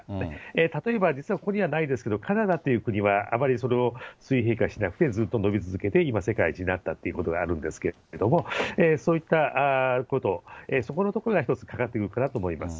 例えば、実はここにはないですけれども、カナダという国は、あまりそれを水平化しなくてずっと伸び続けていて、今、世界一になったということがあるんですけれども、そういったこと、そこのところが一つかかってくるかなと思います。